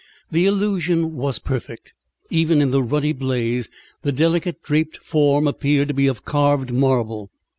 The illusion was perfect. Even in that ruddy blaze the delicate, draped form appeared to be of carved marble.